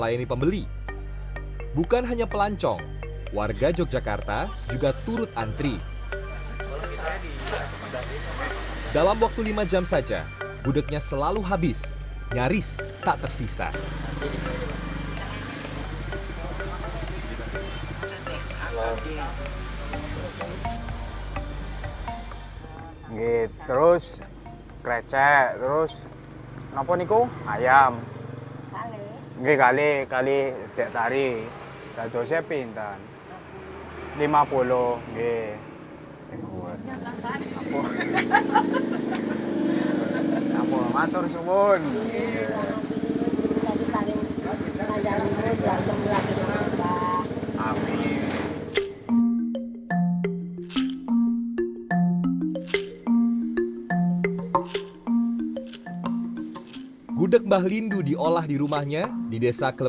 ini gumbu itu dambang bawang tumbar gulau ya ampun ambil